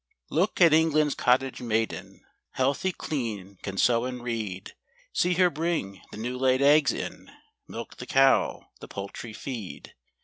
Look at England's cottage maiden, Healthy, clean, can sew and read : See her bring the new laid eggs in, Milk the cow, the poultry feed.